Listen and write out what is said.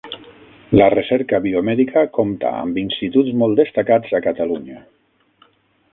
La recerca biomèdica compta amb instituts molt destacats a Catalunya.